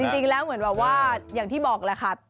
จริงแล้วเหมือนแบบว่าอย่างที่บอกแหละค่ะ